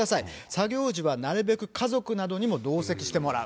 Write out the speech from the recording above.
作業時はなるべく家族などにも同席してもらう。